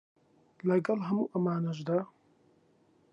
لەگەڵ هەموو ئەمانەشدا